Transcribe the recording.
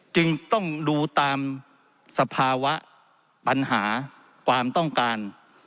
จึงต้องดูตามสภาวะปัญหาความต้องการ